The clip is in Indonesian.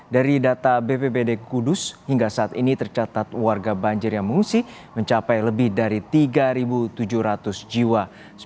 dari data bpbd kudus hingga saat ini tercatat warga banjir yang mengungsi mencapai lebih dari tiga tujuh ratus jiwa